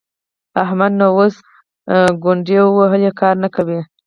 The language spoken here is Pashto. احمد نو اوس ګونډې ووهلې؛ کار نه کوي.